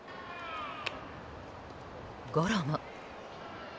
ゴロも。